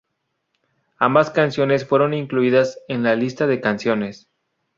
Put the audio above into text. Ambas canciones fueron incluidas en la lista de canciones.